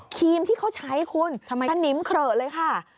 ครีมที่เขาใช้คุณสนิมเครอะเลยค่ะ